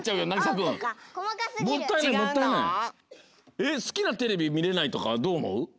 えっすきなテレビみれないとかはどうおもう？